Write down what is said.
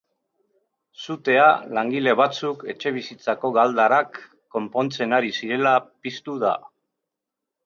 Sutea langile batzuk etxebizitzako galdarak konpontzen ari zirela piztu da.